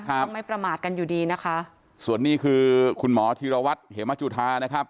ต้องไม่ประมาทกันอยู่ดีนะคะส่วนนี้คือคุณหมอธีรวัตรเหมจุธานะครับ